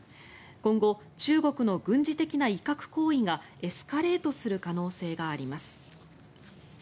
今後、中国の軍事的な威嚇行為がエスカレートする可能性があります。